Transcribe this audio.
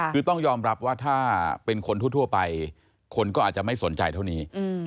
คือต้องยอมรับว่าถ้าเป็นคนทั่วไปคนก็อาจจะไม่สนใจเท่านี้